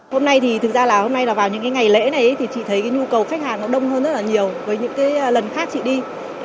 hôm nay thì thực ra là vào những ngày lễ này thì chị thấy nhu cầu khách hàng nó đông hơn rất là nhiều với những lần khác chị đi